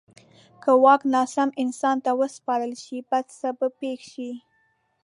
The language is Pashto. که واک ناسم انسان ته وسپارل شي، بد څه به پېښ شي.